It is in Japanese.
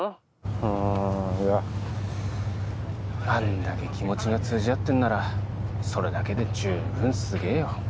うんいやあんだけ気持ちが通じあってんならそれだけで十分すげえよ